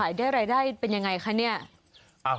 ขายได้รายได้เป็นยังไงคะ